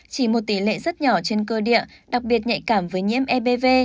chỉ một tỷ lệ rất nhỏ trên cơ địa đặc biệt nhạy cảm với nhiễm ebv